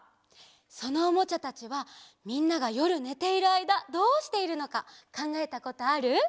そのおもちゃたちはみんながよるねているあいだどうしているのかかんがえたことある？